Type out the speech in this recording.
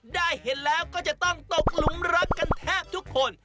ได้เห็นแล้วก็จะต้องตกหลุมรักกันแทบทุกคน